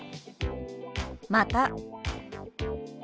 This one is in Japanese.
「また」。